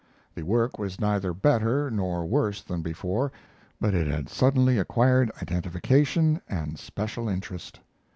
The work was neither better nor worse than before, but it had suddenly acquired identification and special interest.